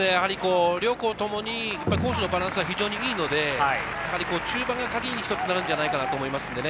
両校ともに攻守のバランスが非常にいいので、中盤がカギに一つ、なるんじゃないかなと思います。